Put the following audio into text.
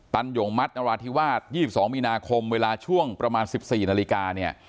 หย่งมัดนราธิวาส๒๒มีนาคมเวลาช่วงประมาณ๑๔นาฬิกาเนี่ย